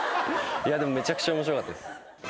でもめちゃくちゃ面白かったです。